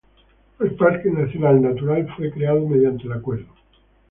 El Parque Nacional Natural fue creado mediante el acuerdo No.